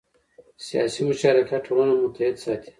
سیاسي مشارکت ټولنه متحد ساتي